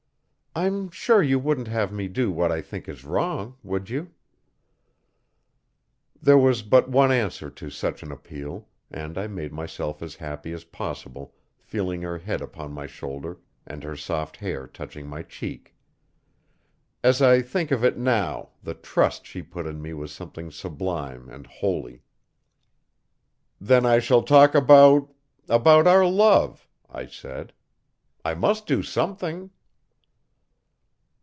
I'm sure you wouldn't have me do what I think is wrong would you?' There was but one answer to such an appeal, and I made myself as happy as possible feeling her head upon my shoulder and her soft hair touching my cheek. As I think of it now the trust she put in me was something sublime and holy. 'Then I shall talk about about our love,' I said, 'I must do something.'